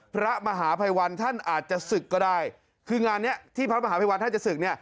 พระมหาภัยวันท่านอาจจะศึกก็ได้คืองานเนี้ยที่พระมหาภัยวันท่านจะศึกเนี่ย